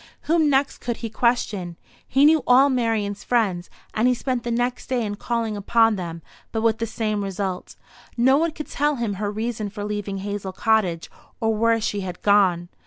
Whom next could he question? He knew all Marian's friends, and he spent the next day in calling upon them, but with the same result; no one could tell him her reason for leaving Hazel Cottage, or where she had gone.